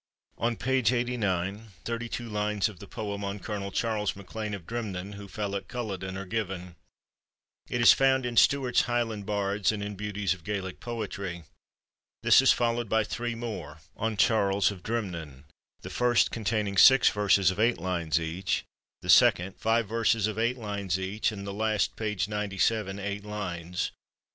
On page 89, thirty two lines of the poem on Colonel Charles MacLean of Drimnin (who fell at Culloden) are given. It is found in Stewart's Highland Bards and in Beauties of Gaelic Poetry. This is followed by three more, on Charles of Drimnin : the first containing six verses of eight lines each, the second, five verses of eight lines each, and the last (p. 97) eight lines.